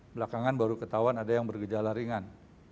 belakangan baru ketahuan ada yang bergejala ringan